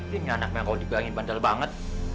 dia punya anaknya kalau dibiangi bandel banget